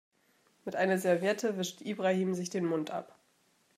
Mit einer Serviette wischt Ibrahim sich den Mund ab.